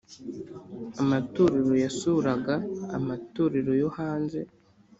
amatorero yasuraga amatorero yo hanze